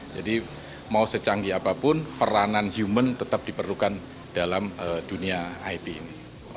jadi mau secanggih apapun peranan human tetap diperlukan dalam dunia it ini